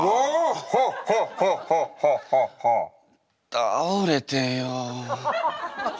倒れてよ。